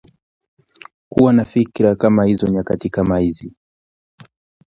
Kuwa na fikra kama hizo nyakati kama hizi